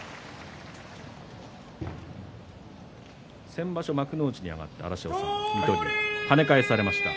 先場所、幕内に上がって水戸龍、跳ね返されました。